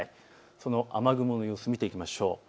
その雨雲の様子を見ていきましょう。